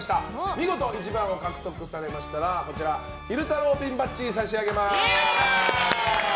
見事１番を獲得されましたら昼太郎ピンバッジを差し上げます。